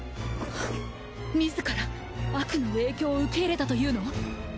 あっ自ら悪の影響を受け入れたというの？